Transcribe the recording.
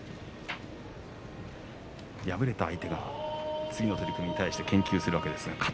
敗れた相手が次の取組に対して研究するわけですね。